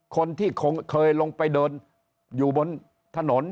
คนที่เคยลงไปเดินอยู่บนถนน